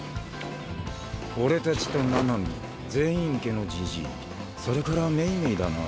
俺たちと七海禪院家のじじいそれから冥冥だな。